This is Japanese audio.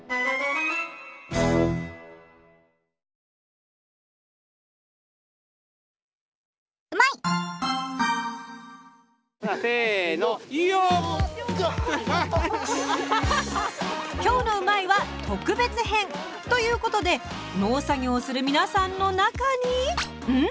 スタジオ今日の「うまいッ！」は特別編！ということで農作業をする皆さんの中にん？